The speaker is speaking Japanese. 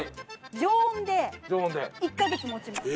常温で１か月持ちます。